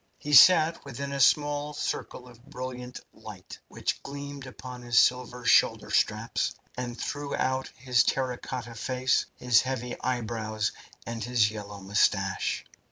He sat within a small circle of brilliant light which gleamed upon his silver shoulder straps, and threw out his terra cotta face, his heavy eyebrows, and his yellow moustache.